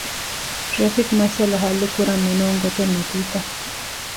ޓްރެފިކް މައްސަލަ ހައްލުކުރަން މި ނޫން ގޮތެއް ނެތީތަ؟